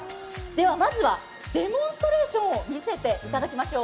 ではまずはデモンストレーションを見せていただきましょう。